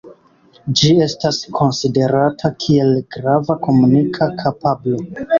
Ĝi estas konsiderata kiel grava komunika kapablo.